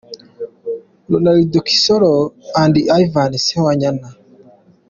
Ronald Kisolo & Ivan Sewanyana.